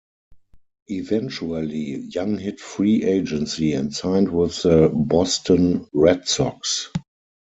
Eventually, Young hit free agency and signed with the Boston Red Sox.